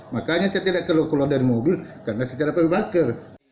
makanya saya tidak keluar dari mobil karena secara pembakar